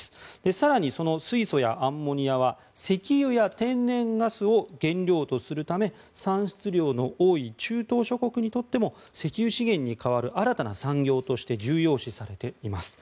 更に、その水素やアンモニアは石油や天然ガスを原料とするため産出量の多い中東諸国にとっても石油資源に代わる新たな産業として重要視されています。